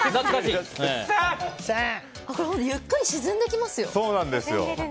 ゆっくり沈んでいきますよ。